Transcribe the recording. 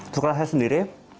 suka rasa sendiri